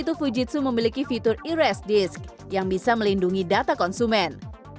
itu fujitsu memiliki fitur eres disk yang bisa melindungi data konsumen